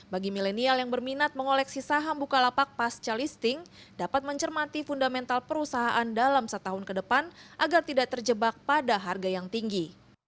bagi milenial yang berminat mengoleksi saham bukalapak pas calisting dapat mencermati fundamental perusahaan dalam setahun ke depan agar tidak terjebak pada harga yang tinggi